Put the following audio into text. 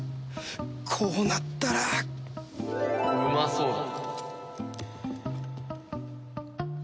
こうなったら！うまそうだ。